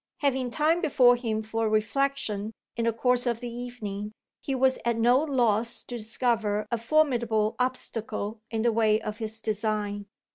Having time before him for reflection, in the course of the evening, he was at no loss to discover a formidable obstacle in the way of his design.